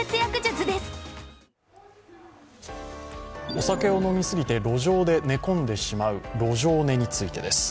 お酒を飲みすぎて路上で寝込んでしまう路上寝についてです。